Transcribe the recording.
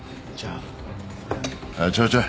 あちょいちょい。